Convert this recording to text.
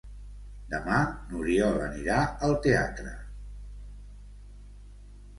Demà n'Oriol anirà al teatre.